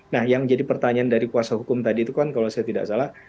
nah yang jadi pertanyaan dari kuasa hukum tadi itu kan kalau saya tidak salah